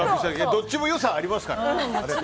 どっちも良さはありますから。